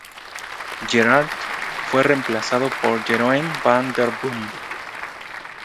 Gerard fue remplazado por Jeroen van der Boom.